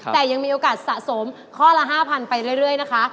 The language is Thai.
แต่ยังมีโอกาสสะสมข้อละ๕๐๐๐ไปเรื่อยนะคะ